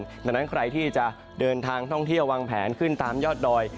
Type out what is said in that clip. ดังนั้นใครที่จะเดินทางท่องเที่ยววางแผนขึ้นตามยอดดอย